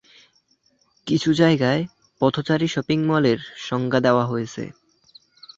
কিছু জায়গায়, পথচারী শপিং মলের সংজ্ঞা দেওয়া হয়েছে।